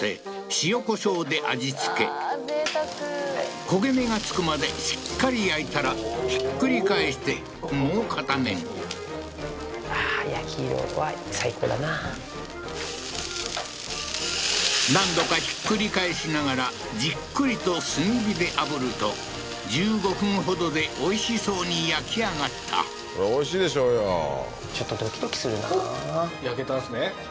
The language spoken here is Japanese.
塩コショウで味つけ焦げ目が付くまでしっかり焼いたらひっくり返してもう片面何度かひっくり返しながらじっくりと炭火であぶると１５分ほどでおいしそうに焼き上がったこれおいしいでしょうようわー！